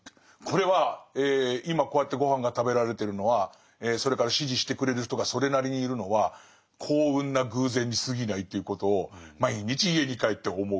これは今こうやってごはんが食べられてるのはそれから支持してくれる人がそれなりにいるのは幸運な偶然にすぎないということを毎日家に帰って思うっていう。